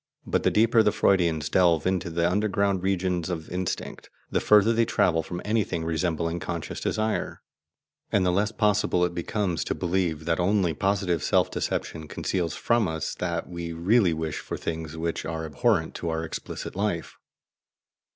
But the deeper the Freudians delve into the underground regions of instinct, the further they travel from anything resembling conscious desire, and the less possible it becomes to believe that only positive self deception conceals from us that we really wish for things which are abhorrent to our explicit life.